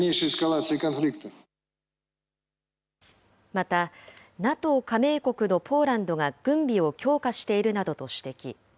また、ＮＡＴＯ加盟国のポーランドが軍備を強化しているなどと指摘。